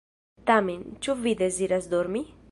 Tamen, ĉu vi deziras dormi?